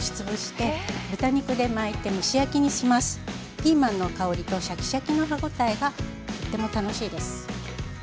ピーマンの香りとシャキシャキの歯ごたえがとっても楽しいです。